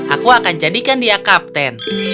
aku akan jadikan dia kapten